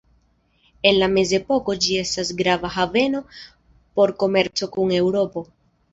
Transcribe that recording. En la mezepoko ĝi estis grava haveno por komerco kun Eŭropo.